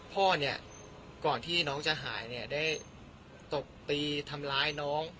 พ่อเนี่ยก่อนที่น้องจะหายเนี่ยได้ตบตีทำร้ายน้อง